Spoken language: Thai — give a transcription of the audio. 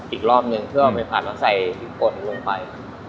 อีกรอบหนึ่งเพื่อเอาไปผัดแล้วใส่พริกป่นลงไปอ๋ออ๋อ